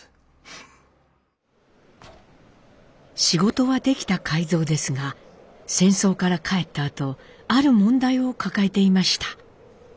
仕事はできた海蔵ですが戦争から帰ったあとある問題を抱えていました。